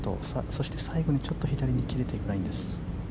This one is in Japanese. そして、最後にちょっと左に切れていくラインです。